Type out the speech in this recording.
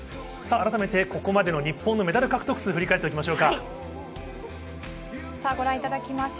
あらためて、ここまでの日本のメダル獲得数を振り返っておきましょう。